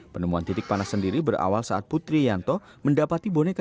penemuan titik panas sendiri berawal saat putri yanto mendapati boneka